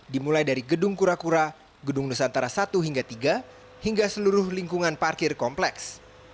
dimulai dari gedung kura kura gedung nusantara satu hingga tiga hingga seluruh lingkungan parkir kompleks